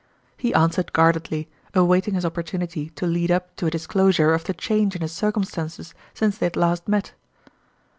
He answered guardedly, awaiting his opportunity to lead up to a dis closure of the change in his circumstances since they had last met.